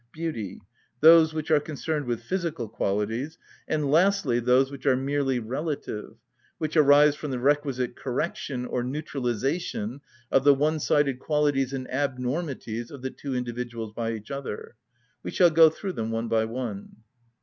_, beauty, those which are concerned with physical qualities, and lastly, those which are merely relative, which arise from the requisite correction or neutralisation of the one‐sided qualities and abnormities of the two individuals by each other. We shall go through them one by one.